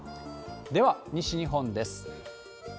では、西日本です。